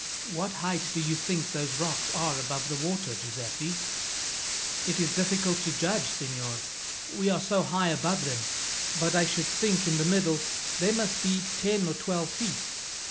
"What height do you think those rocks are above the water, Giuseppi?" "It is difficult to judge, signor, we are so high above them; but I should think in the middle they must be ten or twelve feet."